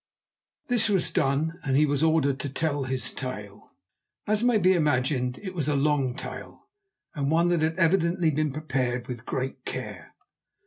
This was done and he was ordered to tell his tale. As may be imagined, it was a long tale, and one that had evidently been prepared with great care.